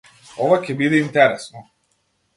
Ова ќе биде интересно.